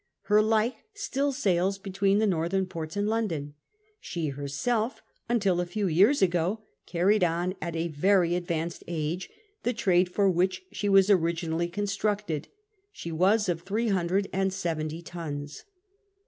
Her like still sails between the northern ports and London. She herself, until a few years ago, carried on at a very advanced age the trade for which she was originally constructed. She was of three hundred and seventy tons.